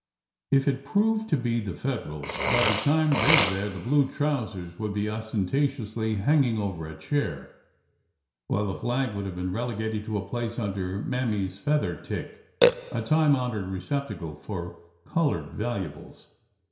If it proved to be the Federals, by the time they were there the blue trousers would be ostentatiously hanging over a chair, while the flag would have been relegated to a place under Mammy's feather tick, a time honored receptacle for " colored " valuables.